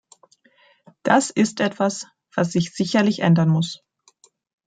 Das ist etwas, was sich sicherlich ändern muss.